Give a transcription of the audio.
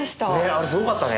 あれすごかったね。